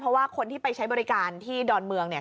เพราะว่าคนที่ไปใช้บริการที่ดอนเมืองเนี่ย